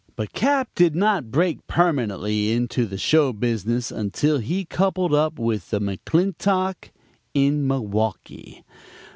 "But Cap. did not break permanently into the show business until he coupled up with the McClintock in Milwaukee.